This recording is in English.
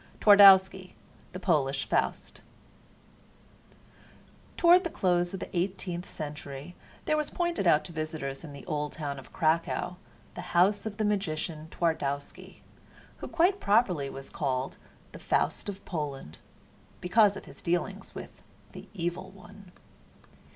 TWARDOWSKI, THE POLISH FAUST Toward the close of the eighteenth century there was pointed out to visitors in the old town of Krakau the house of the magician Twardowski, who quite properly was called the Faust of Poland, because of his dealings with the Evil One.